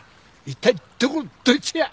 一体どこのどいつや？